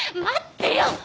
待ってよ！